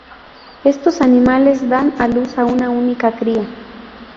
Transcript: Estos animales dan a luz a una única cría.